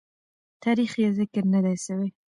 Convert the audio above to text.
تاریخ یې ذکر نه دی سوی.